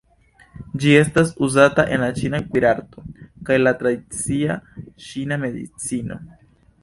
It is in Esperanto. Ĝi estas uzata en la ĉina kuirarto kaj la tradicia ĉina medicino.